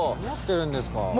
何やってるんですか。